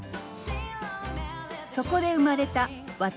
そこで生まれた私の工夫。